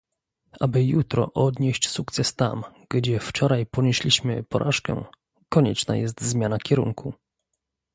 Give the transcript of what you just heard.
Aby jutro odnieść sukces tam, gdzie wczoraj ponieśliśmy porażkę, konieczna jest zmiana kierunku